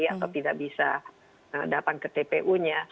atau tidak bisa datang ke tpu nya